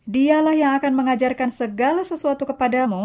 dialah yang akan mengajarkan segala sesuatu kepadamu